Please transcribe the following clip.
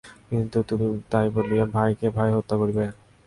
কিন্তু তাই বলিয়া ভাইকে ভাই হত্যা করিবে!